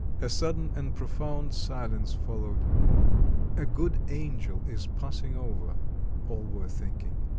A sudden and profound silence followed. "A good angel is passing over," all were thinking.